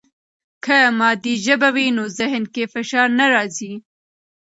که مادي ژبه وي، نو ذهن کې فشار نه راځي.